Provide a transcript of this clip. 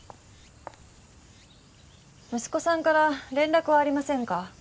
息子さんから連絡はありませんか？